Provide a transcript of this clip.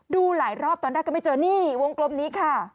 ดูหลายรอบตอนแรกก็ไม่เจอนี่วงกลมนี้ค่ะ